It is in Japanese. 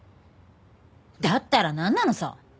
だったらなんなのさ。